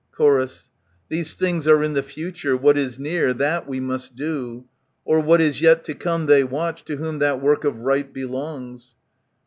Chor. These things are in the future. What is near, That we must do. O'er what is yet to come They watch, to Whom that work of right belongs.